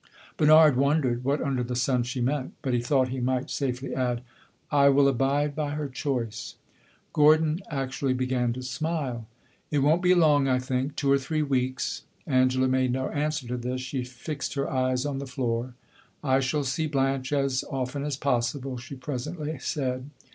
Bernard wondered what under the sun she meant; but he thought he might safely add "I will abide by her choice." Gordon actually began to smile. "It won't be long, I think; two or three weeks." Angela made no answer to this; she fixed her eyes on the floor. "I shall see Blanche as often as possible," she presently said.